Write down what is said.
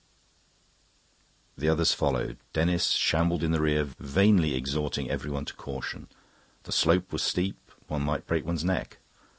The others followed. Denis shambled in the rear, vainly exhorting everyone to caution: the slope was steep, one might break one's neck.